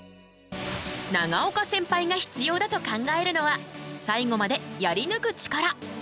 永岡センパイが必要だと考えるのは最後まで「やりぬくチカラ」。